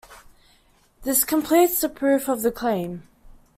This completes the proof of the claim.